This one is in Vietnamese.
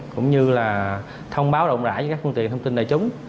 cũng như là thông báo rộng rãi với các phương tiện thông tin đại chúng